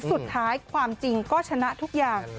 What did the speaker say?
สุดท้ายความจริงก็ชนะทุกอย่าง